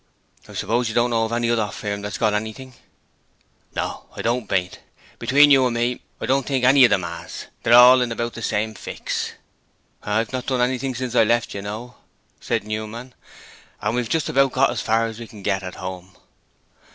'I suppose you don't know of any other firm what's got anything?' 'No, I don't, mate. Between you and me, I don't think any of 'em has; they're all in about the same fix.' 'I've not done anything since I left, you know,' said Newman, 'and we've just about got as far as we can get, at home.'